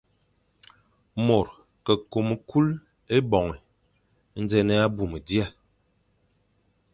Môr ke kôm kul ébôñe, nzè e ya abmum dia.